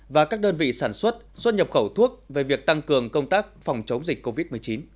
và các đơn vị sản xuất xuất nhập khẩu thuốc về việc tăng cường công tác phòng chống dịch covid một mươi chín